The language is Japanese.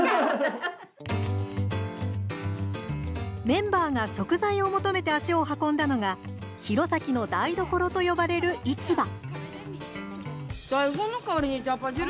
メンバーが食材を求めて足を運んだのが弘前の台所と呼ばれる市場。